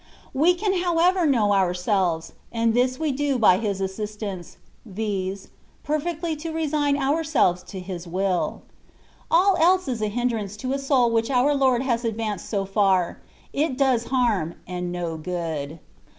We can however know ourselves ; and 'this we do by His assistance, viz., perfectly to resign ourselves to His will. All else is a hinderance to a soul which our Lord has advanced so far; it does harm, and not good.